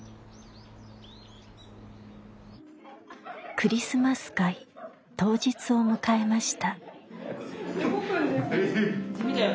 クリスマス会当日を迎えました。